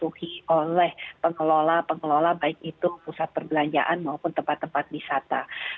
dan juga dipatuhi oleh pengelola pengelola baik itu pusat perbelanjaan maupun tempat tempat wisata